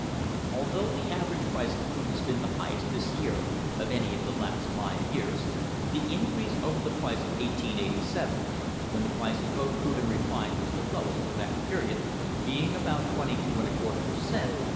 Although the average price of crude has been the highest this year of any of the last five years, the increase over the price of 1887 (when the price on both crude and refined was the lowest for that period) being about 22\ per cent.